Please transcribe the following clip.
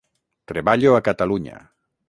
Treballo a Catalunya.